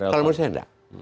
kalau menurut saya enggak